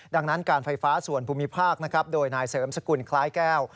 ดังนั้นการไฟฟ้าส่วนภูมิภาคนะครับโดยนายเสริมสกุลคล้ายแก้ว